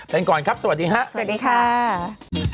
เป็นก่อนครับสวัสดีค่ะสวัสดีค่ะสวัสดีค่ะ